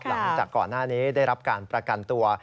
หลังจากก่อนหน้านี้ได้รับการประกันตัว